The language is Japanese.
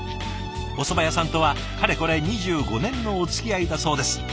おそば屋さんとはかれこれ２５年のおつきあいだそうです。